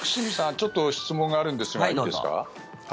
ちょっと質問があるんですがはい。